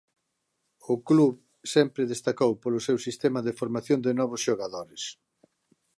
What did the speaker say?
O club sempre destacou polo seu sistema de formación de novos xogadores.